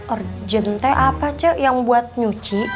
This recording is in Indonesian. urgen teh apa ce yang buat nyuci